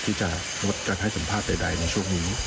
ที่จะนชในช่วงนี้